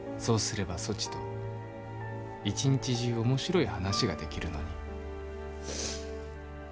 そうすればそちと一日中面白い話ができるのに。